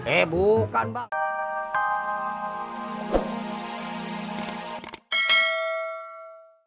eh bukan bang